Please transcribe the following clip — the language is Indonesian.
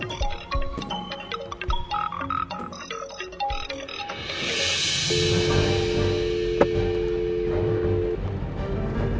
aku juga pengen bantuin dia